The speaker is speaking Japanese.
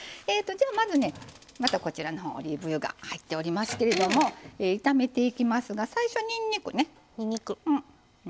まずねまたこちらのほうオリーブ油が入っておりますけども炒めていきますが最初にんにくね。